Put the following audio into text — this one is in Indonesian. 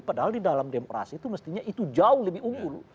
padahal di dalam demokrasi itu mestinya itu jauh lebih unggul